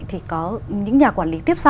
thì có những nhà quản lý tiếp sau